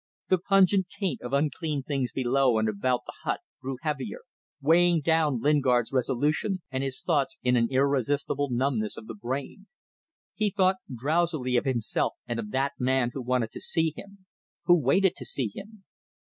The pungent taint of unclean things below and about the hut grew heavier, weighing down Lingard's resolution and his thoughts in an irresistible numbness of the brain. He thought drowsily of himself and of that man who wanted to see him who waited to see him.